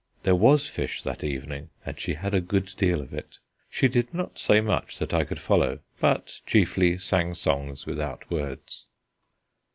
There was fish that evening, and she had a good deal of it. She did not say much that I could follow, but chiefly sang songs without words.